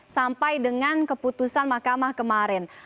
sampai dengan keputusan mahkamah kemarin